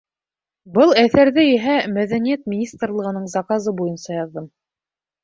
Был әҫәрҙе иһә Мәҙәниәт министрлығының заказы буйынса яҙҙым.